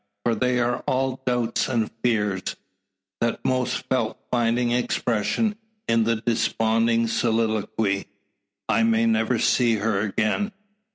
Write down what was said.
For they are all doubts and fears; that most felt finding expression in the desponding soliloquy. "I may never see her again!"